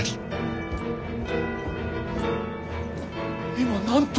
今なんと？